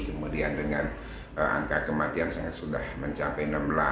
kemudian dengan angka kematian sudah mencapai enam belas